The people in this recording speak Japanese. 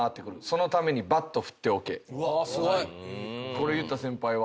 これ言った先輩は？